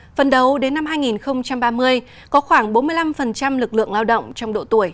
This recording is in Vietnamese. phần đầu đến năm hai nghìn ba mươi có khoảng bốn mươi năm lực lượng lao động trong độ tuổi